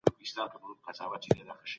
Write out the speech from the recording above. د پروسس شوې غوښې کمول هم ګټور ګڼل شوی.